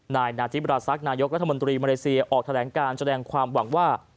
นายนาจิบราซักนายกรัฐมนตรีมาเลเซียออกแถลงการแสดงความหวังว่า